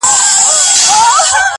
په کتو یې بې ساغره بې شرابو نشه کيږم,